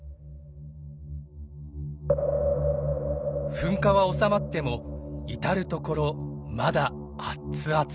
噴火は収まっても至る所まだアッツアツ。